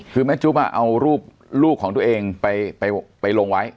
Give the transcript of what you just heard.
คือแม่จุ๊บเอารูปลูกของตัวเองไปลงไว้